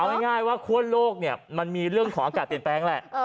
เอาง่ายว่าคั่วโลกเนี่ยมันมีเรื่องของอากาศเปลี่ยนแปลงแหละ